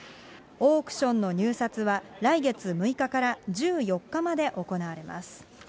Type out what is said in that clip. オークションの入札は来月６日から１４日まで行われます。